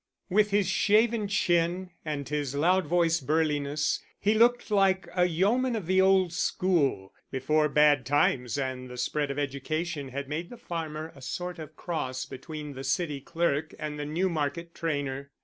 With his shaven chin and his loud voiced burliness he looked like a yeoman of the old school, before bad times and the spread of education had made the farmer a sort of cross between the city clerk and the Newmarket trainer.